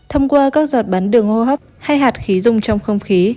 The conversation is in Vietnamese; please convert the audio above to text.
thông qua các giọt bắn đường hô hấp hay hạt khí dùng trong không khí